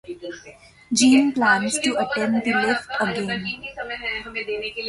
Gene plans to attempt the lift again.